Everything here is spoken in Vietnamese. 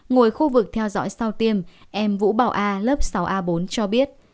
ngồi khu vực theo dõi sau tiêm em vũ bảo a lớp sáu a bốn cho biết